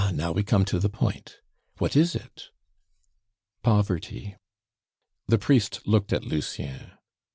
now we come to the point. What is it?" "Poverty." The priest looked at Lucien.